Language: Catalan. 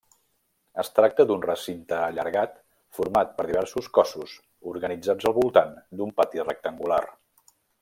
Es tracta d'un recinte allargat format per diversos cossos, organitzats al voltant d'un pati rectangular.